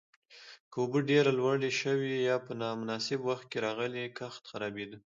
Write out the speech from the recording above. که اوبه ډېره لوړې شوې یا په نامناسب وخت کې راغلې، کښت خرابېده.